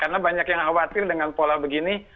karena banyak yang khawatir dengan pola begini